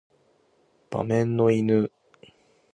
馬面の犬